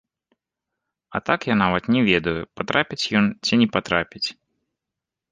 А так я нават не ведаю, патрапіць ён ці не патрапіць.